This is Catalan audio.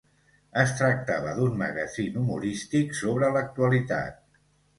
Es tractava d'un magazín humorístic sobre l'actualitat.